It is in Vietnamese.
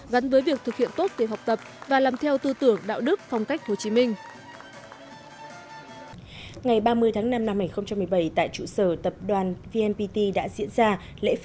gắn với việc thực hiện tốt việc học tập và làm theo tư tưởng đạo đức phong cách hồ chí minh